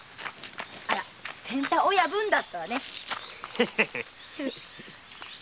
アラ「仙太親分」だったわね。